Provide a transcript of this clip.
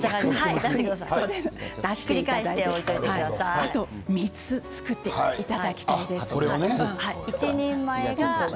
あとは３つ作っていただきたいんです。